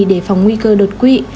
để phòng nguy cơ đột quỵ